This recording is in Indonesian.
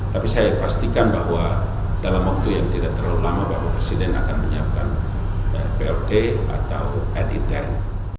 tapi saya pastikan bahwa dalam waktu yang tidak terlalu lama bapak presiden akan menyiapkan plt atau ad it